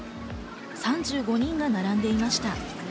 ３５人が並んでいました。